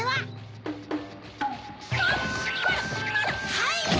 はい！